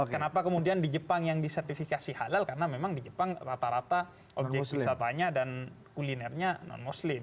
kenapa kemudian di jepang yang disertifikasi halal karena memang di jepang rata rata objek wisatanya dan kulinernya non muslim